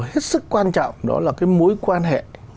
hết sức quan trọng đó là cái mối quan hệ